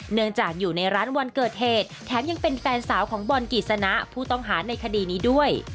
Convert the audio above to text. อยู่ในร้านวันเกิดเหตุแถมยังเป็นแฟนสาวของบอลกิจสนะผู้ต้องหาในคดีนี้ด้วย